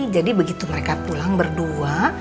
begitu mereka pulang berdua